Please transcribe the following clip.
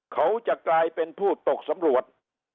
เขาจะกลายเป็นผู้ตกสำรวจ